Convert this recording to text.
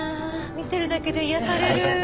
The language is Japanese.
見てるだけで癒やされる。